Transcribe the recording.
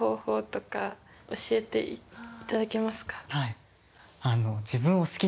はい。